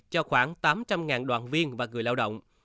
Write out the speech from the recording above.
cho khoảng tám trăm linh đoàn viên và người lao động